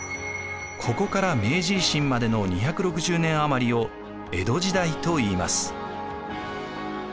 ここから明治維新までの２６０年余りを江戸時代といいます。